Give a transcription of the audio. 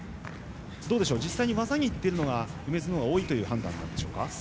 実際に技にいっているのは梅津のほうが多いという判断でしょうか。